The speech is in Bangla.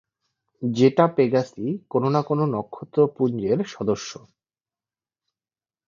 জেটা পেগাসি কোন না কোন নক্ষত্রপুঞ্জের সদস্য।